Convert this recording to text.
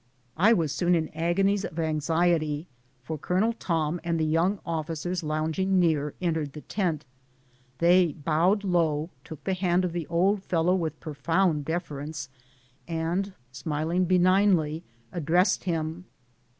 I was soon in agonies of anxiety, for Colonel Tom and the young officers lounging near entered the tent. They bowed low, took the hand of the old fellow with profound deference, and, smiling benignly, addressed him.